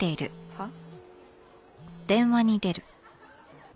「はっ？」